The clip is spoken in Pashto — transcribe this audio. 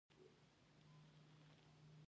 ایا ویښتان مو توییږي؟